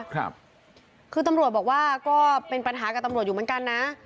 คือตำรวจบอกว่าก็เป็นปัญหากับตำรวจอยู่เหมือนกันนะ